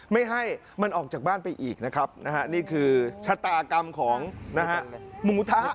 ไม่ให้มันออกจากบ้านไปอีกนะครับนี่คือชะตากรรมของนะฮะหมูทะ